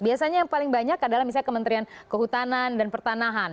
biasanya yang paling banyak adalah misalnya kementerian kehutanan dan pertanahan